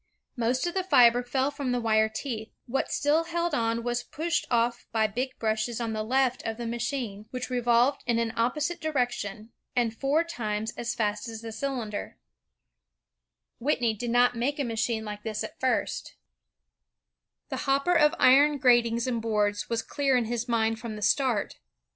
Most of the fiber fell from the wire teeth. What still held on was pushed off by big brushes on the left of the machine, which revolved in an opposite direction and four times as fast as the cylinder. Whitney did not make a machine like this at first. The INVENTORS AND INVENTIONS — 8 114 INVENTIONS OF MANUFACTURE AND PRODUCTION hopper of iron gratings and boards was clear in his mind from the start.